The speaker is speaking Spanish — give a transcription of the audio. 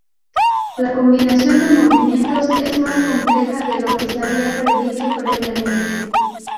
La combinación de movimientos es más compleja de lo que se había predicho previamente.